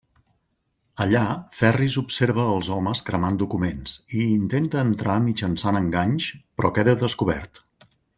Allà, Ferris observa els homes cremant documents i intenta entrar mitjançant enganys, però queda descobert.